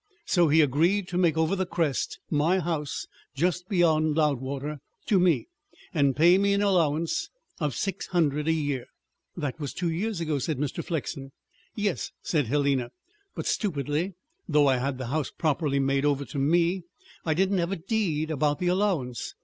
So he agreed to make over the Crest, my house just beyond Loudwater, to me, and pay me an allowance of six hundred a year." "This was two years ago?" said Mr. Flexen. "Yes," said Helena. "But stupidly, though I had the house properly made over to me, I didn't have a deed about the allowance.